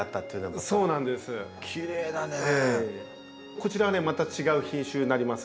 こちらはまた違う品種になります。